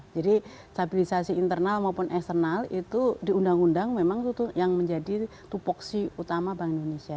jadi stabilisasi internal maupun eksternal itu diundang undang memang itu yang menjadi tupuksi utama bank indonesia